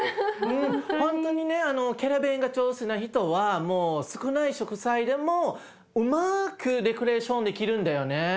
ほんとにねキャラベンが上手な人はもう少ない食材でもうまくデコレーションできるんだよね。